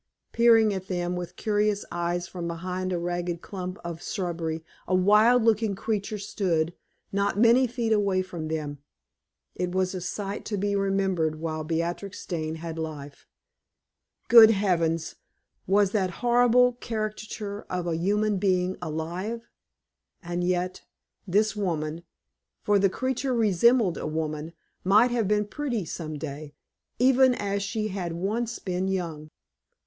Peering at them with curious eyes from behind a ragged clump of shrubbery, a wild looking creature stood, not many feet away from them. It was a sight to be remembered while Beatrix Dane had life. Good heavens! was that horrible caricature of a human being alive? And yet, this woman for the creature resembled a woman might have been pretty some day, even as she had once been young.